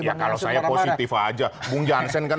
ya kalau saya positif aja bung jansen kan